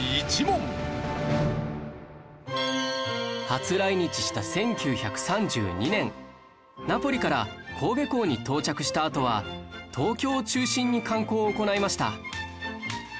初来日した１９３２年ナポリから神戸港に到着したあとは東京を中心に観光を行いました